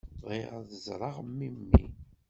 Bɣiɣ ad ẓreɣ memmi.